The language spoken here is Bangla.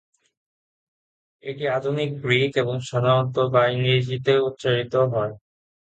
এটি আধুনিক গ্রীক এবং সাধারণত বা ইংরেজিতে উচ্চারিত হয়।